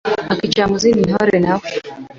akicara mu zindi ntore nawe